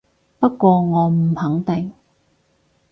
不過我唔肯定